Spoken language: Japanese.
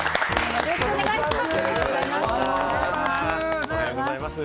よろしくお願いします。